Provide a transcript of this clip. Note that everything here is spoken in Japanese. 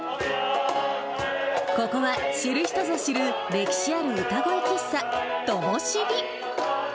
これは知る人ぞ知る、歴史ある歌声喫茶、ともしび。